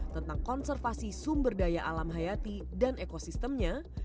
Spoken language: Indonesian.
tentang konservasi sumber daya alam hayati dan ekosistemnya